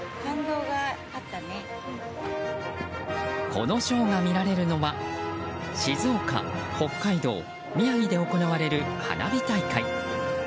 このショーが見られるのは静岡、北海道、宮城で行われる花火大会。